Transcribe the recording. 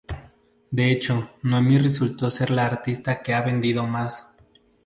De hecho Noemi resultó ser la artista que ha vendido más.